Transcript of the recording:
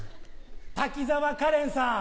滝沢カレンさん